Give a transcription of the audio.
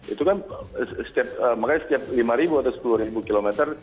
itu kan makanya setiap lima ribu atau sepuluh kilometer